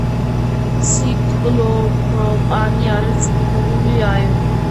ციკლოპროპანი არის უფერული აირი.